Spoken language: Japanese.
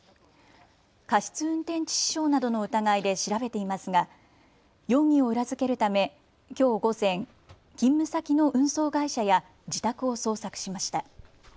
過失運転致死傷などの疑いで調べていますが容疑を裏付けるためきょう午前、勤務先の運送会社や自宅を捜索しました。